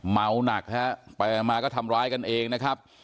เมาหนักฮะไปมาก็ทำร้ายกันเองนะครับ